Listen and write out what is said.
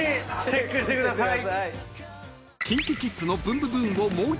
チェックしてください！